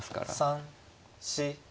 ３４。